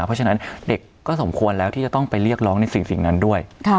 เพราะฉะนั้นเด็กก็สมควรแล้วที่จะต้องไปเรียกร้องในสิ่งนั้นด้วย